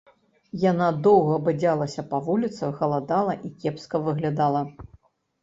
Яна доўга бадзялася па вуліцах, галадала і кепска выглядала.